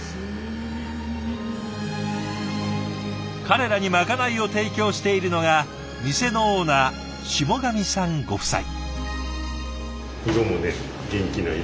彼らにまかないを提供しているのが店のオーナー霜上さんご夫妻。